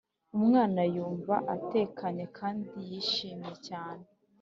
Umwana Yumva Atekanye Kandi Yishimye Cyane